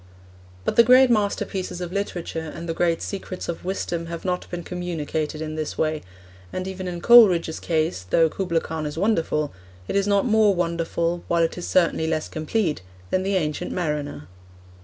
But the great masterpieces of literature and the great secrets of wisdom have not been communicated in this way; and even in Coleridge's case, though Kubla Khan is wonderful, it is not more wonderful, while it is certainly less complete, than the Ancient Mariner.